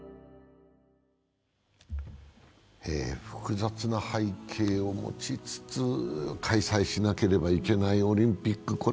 複雑な背景を持ちつつ開催しなければいけないオリンピック。